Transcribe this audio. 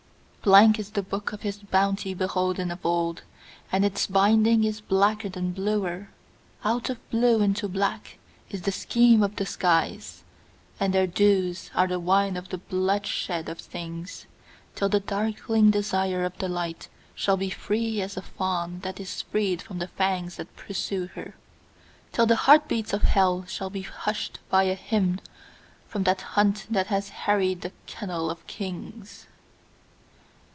Blank is the book of his bounty beholden of old, and its binding is blacker than bluer; Out of blue into black is the scheme of the skies, and their dews are the wine of the bloodshed of things; Till the darkling desire of delight shall be free as a fawn that is freed from the fangs that pursue her, Till the heartbeats of hell shall be hushed by a hymn from that hunt that has harried the kennel of kings.